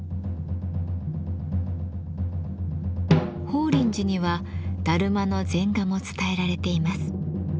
法輪寺にはダルマの禅画も伝えられています。